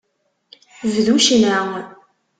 Bdu ccna.